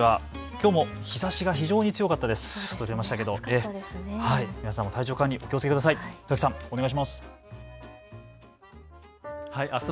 きょうも日ざしが非常に強かったです。